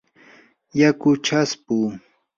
yaku chaspu.